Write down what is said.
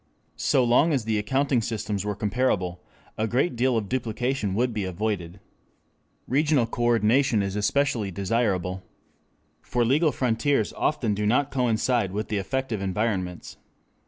So long as the accounting systems were comparable, a great deal of duplication would be avoided. Regional coordination is especially desirable. For legal frontiers often do not coincide with the effective environments.